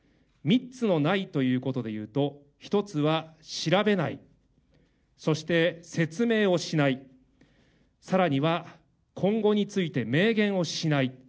３つのないということでいうと、１つは調べない、そして説明をしない、さらには、今後について明言をしない。